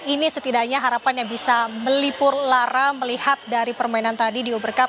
ini setidaknya harapan yang bisa melipur lara melihat dari permainan tadi di overcup